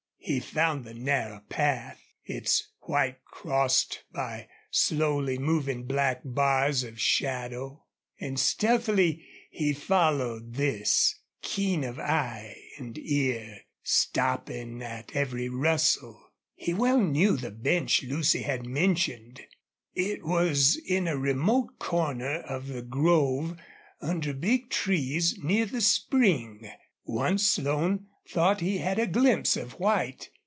He found the narrow path, its white crossed by slowly moving black bars of shadow, and stealthily he followed this, keen of eye and ear, stopping at every rustle. He well knew the bench Lucy had mentioned. It was in a remote corner of the grove, under big trees near the spring. Once Slone thought he had a glimpse of white.